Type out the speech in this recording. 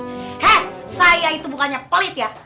hend saya itu bukannya pelit ya